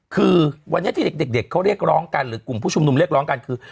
คือวันนี้ที่เด็กเขาเรียกร้องกันหรือกลุ่มผู้ชุมนุมเรียกร้องกันคือ